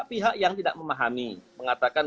pihak yang tidak memahami mengatakan